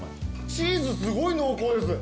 チーズすごい濃厚です。